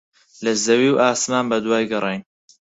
لە زەوی و ئاسمان بەدوای گەڕاین.